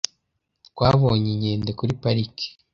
Twabonye inkende kuri pariki.